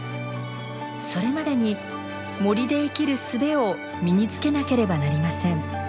それまでに森で生きるすべを身につけなければなりません。